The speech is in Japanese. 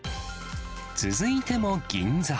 続いても銀座。